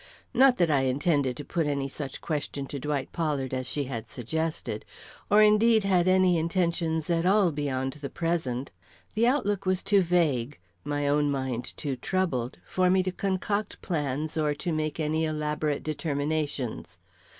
Not that I intended to put any such question to Dwight Pollard as she had suggested, or, indeed, had any intentions at all beyond the present. The outlook was too vague, my own mind too troubled, for me to concoct plans or to make any elaborate determinations.